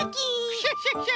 クシャシャシャ！